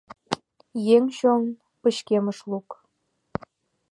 Еҥ чон — пычкемыш лук.